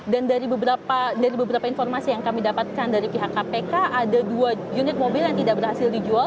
dari beberapa informasi yang kami dapatkan dari pihak kpk ada dua unit mobil yang tidak berhasil dijual